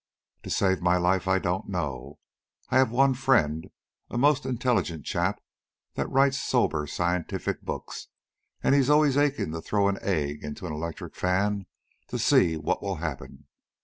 "To save my life, I don't know. I have one friend, a most intelligent chap that writes sober, scientific books, and he's always aching to throw an egg into an electric fan to see what will happen.